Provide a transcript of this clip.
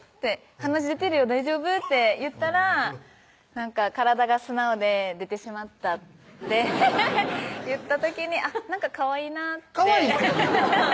鼻血出てるよ大丈夫？」って言ったら「体が素直で出てしまった」って言った時になんかかわいいなってかわいいってなんの？